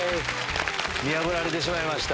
見破られてしまいました。